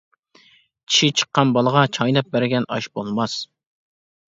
چىشى چىققان بالىغا چايناپ بەرگەن ئاش بولماس.